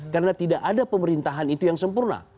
karena tidak ada pemerintahan itu yang sempurna